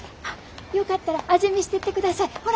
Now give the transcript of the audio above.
あっよかったら味見してってください。